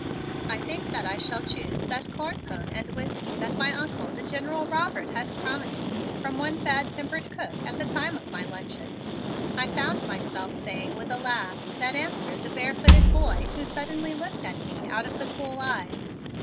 "I think I shall choose that corn pone and whiskey that my Uncle, the General Robert, has promised to me from one bad tempered cook at the time of my luncheon," I found myself saying with a laugh that answered the bare footed boy who suddenly looked at me out of the cool eyes.